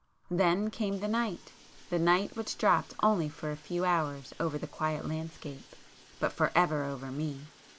Then came the night—the night which dropped only for a few hours over the quiet landscape, but for ever over me!